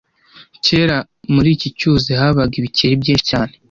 Kera muri iki cyuzi habaga ibikeri byinshi cyane